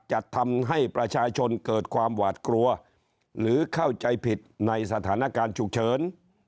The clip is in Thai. จะทำให้ประชาชนเกิดความหวาดกลัวหรือเข้าใจผิดในสถานการณ์ฉุกเฉิน